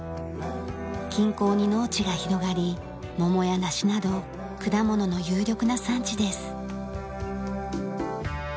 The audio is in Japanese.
近郊に農地が広がり桃や梨など果物の有力な産地です。